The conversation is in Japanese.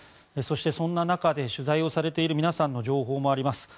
そして、そんな中で取材されている皆さんの情報があります。